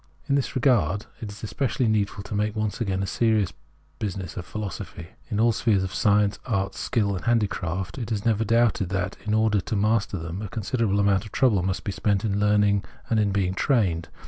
In this regard, it is especially needful to make once again a serious business of philosophy. In all spheres of science, art, skill, and handicraft it is never doubted that, in order to master them, a considerable amount of trouble must be spent in learning and in being trained.